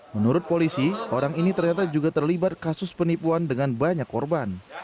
menurut polisi orang ini ternyata juga terlibat kasus penipuan dengan banyak korban